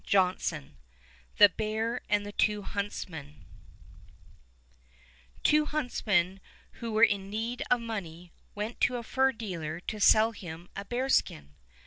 i'A )'1 THE BEAR AND THE TWO HUNTSMEN T WO huntsmen who were in need of money went to a fur dealer to sell him a bearskin.